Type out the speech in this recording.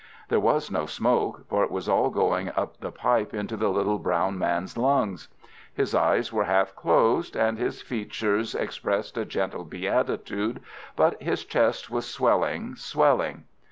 There was no smoke, for it was all going up the pipe into the little brown man's lungs. His eyes were half closed, and his features expressed a gentle beatitude, but his chest was swelling, swelling.